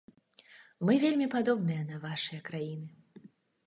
Мы вельмі падобныя на вашыя краіны.